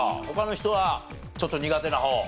他の人はちょっと苦手な方？